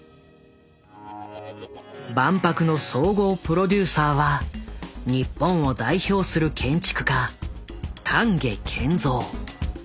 万博の総合プロデューサーは日本を代表する建築家丹下健三。